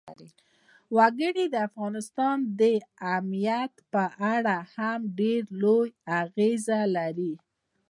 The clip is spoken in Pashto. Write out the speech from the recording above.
وګړي د افغانستان د امنیت په اړه هم ډېر لوی اغېز لري.